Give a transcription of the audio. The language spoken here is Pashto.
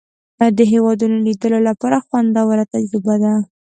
د هېوادونو لیدلو لپاره خوندوره تجربه ده.